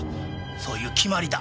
そういう決まりだ。